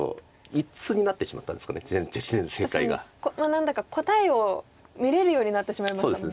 何だか答えを見れるようになってしまいましたもんね。